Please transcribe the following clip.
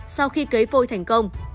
sau khi cấy phôi thành công